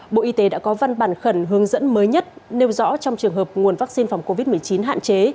bộ y tế đã có văn bản khẩn hướng dẫn mới nhất nêu rõ trong trường hợp nguồn vaccine phòng covid một mươi chín hạn chế